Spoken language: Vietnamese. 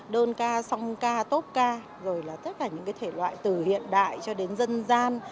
đơn ca song ca tốt ca rồi là tất cả những cái thể loại từ hiện đại cho đến dân gian